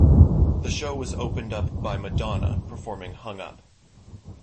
The show was opened by Madonna, performing "Hung Up".